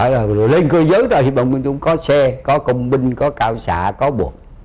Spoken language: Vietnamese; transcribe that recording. đã lên cơ giới rồi hiệp đồng bên chung có xe có công binh có cao xã có buộc